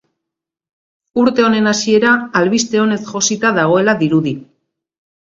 Urte honen hasiera albiste onez josita dagoela dirudi.